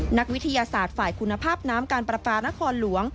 นักวิทยาศาสตร์ฝ่ายคุณภาพน้ำการประปานครหลวง